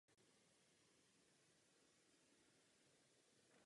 Příkladem může být aplikace umožňující přístup do souborového systému a příkazového řádku.